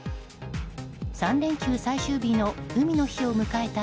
３連休最終日の海の日を迎えた